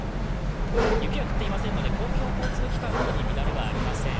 雪は降っていませんので、公共交通機関などに乱れはありません。